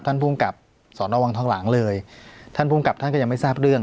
ภูมิกับสอนอวังทองหลังเลยท่านภูมิกับท่านก็ยังไม่ทราบเรื่อง